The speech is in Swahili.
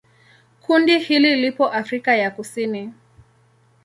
Kundi hili lipo Afrika ya Kusini.